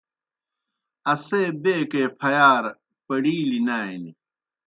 اسے بیکے پھیارہ پڑِیلیْ نانیْ۔